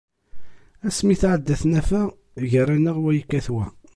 Asmi i tɛedda tnafa, gar-aneɣ wa yekkat wa.